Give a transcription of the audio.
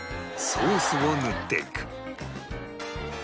ソースを塗っていく